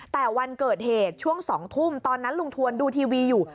แต่วันเกิดเหตุช่วง๒ทุ่มตอนนั้นลุงทวนดูทีวีอยู่